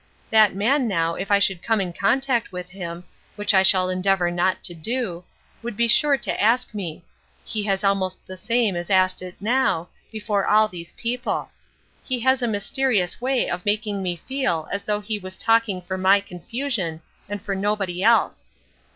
That man now, if I should come in contact with him, which I shall endeavor not to do, would be sure to ask me. He has almost the same as asked it now, before all these people. He has a mysterious way of making me feel as though he was talking for my confusion and for nobody else."